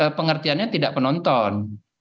itu eee pengertiannya tidak penonton